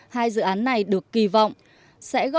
hai dự án này được kỳ vọng